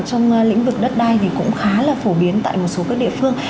trong lĩnh vực đất đai thì cũng khá là phổ biến tại một số các địa phương